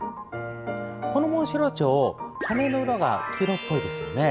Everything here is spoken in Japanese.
このモンシロチョウ羽の裏が黄色っぽいですよね。